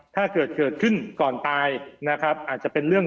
ถ้าเกิดเกิดขึ้นก่อนตายนะครับอาจจะเป็นเรื่อง